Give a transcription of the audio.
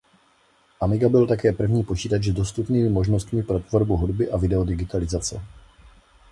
Amiga byl také první počítač s dostupnými možnostmi pro tvorbu hudby a video digitalizace.